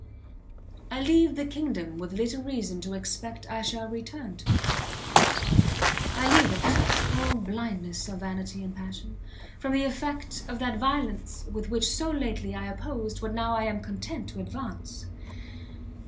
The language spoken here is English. I leave the kingdom with little reason to expect I shall return to it; I leave it Oh blindness of vanity and passion! from the effect of that violence with which so lately I opposed what now I am content to advance!